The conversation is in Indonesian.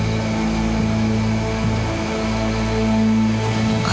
tapi akhirnya pak